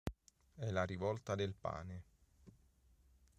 È la rivolta del pane.